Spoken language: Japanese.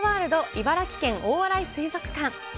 茨城県大洗水族館。